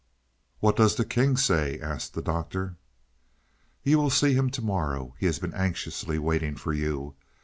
"What does the king say?" asked the Doctor. "We will see him to morrow. He has been anxiously waiting for you.